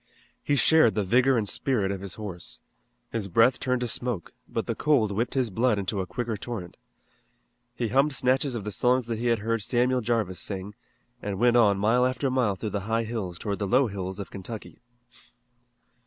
He shared the vigor and spirit of his horse. His breath turned to smoke, but the cold whipped his blood into a quicker torrent. He hummed snatches of the songs that he had heard Samuel Jarvis sing, and went on mile after mile through the high hills toward the low hills of Kentucky.